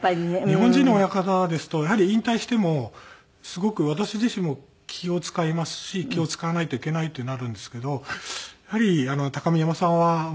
日本人の親方ですとやはり引退してもすごく私自身も気を使いますし気を使わないといけないってなるんですけどやはり高見山さんはそのままで